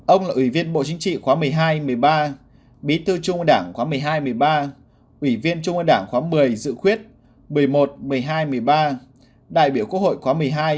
ông là ủy viên bộ chính trị khóa một mươi hai một mươi ba bí thư trung ơn đảng khóa một mươi hai một mươi ba ủy viên trung ơn đảng khóa một mươi dự khuyết một mươi một một mươi hai một mươi ba đại biểu quốc hội khóa một mươi hai một mươi bốn một mươi năm